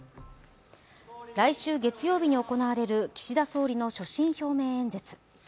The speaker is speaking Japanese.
来週月曜日に行われる岸田総理の所信表明演説。